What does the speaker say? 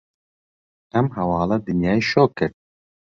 ئەم هەواڵە دنیای شۆک کرد.